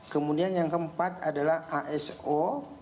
kemudian yang keempat adalah aso